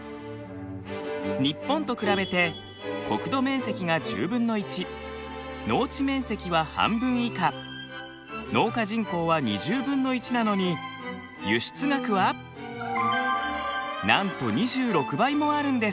日本と比べて国土面積が農地面積は半分以下農家人口はなのに輸出額はなんと２６倍もあるんです。